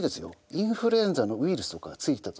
インフルエンザのウイルスとかがついてたと。